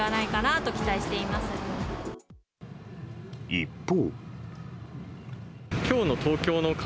一方。